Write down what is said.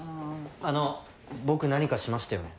あの僕何かしましたよね。